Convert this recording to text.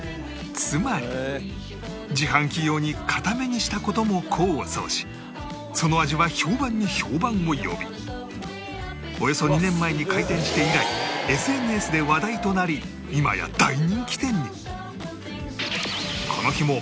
つまり自販機用に硬めにした事も功を奏しその味は評判に評判を呼びおよそ２年前に開店して以来 ＳＮＳ で話題となり今や大人気店に